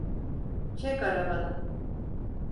Çek arabanı!